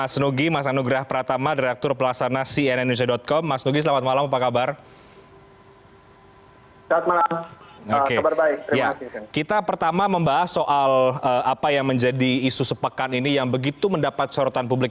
selamat malam kabar baik